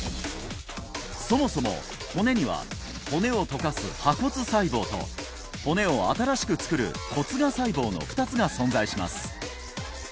そもそも骨には骨を溶かす破骨細胞と骨を新しく作る骨芽細胞の２つが存在します